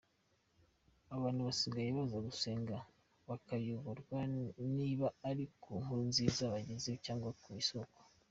Abantu basigaye baza gusenga bakayoberwa niba ari ku Nkuru Nziza bageze cyangwa mu isoko.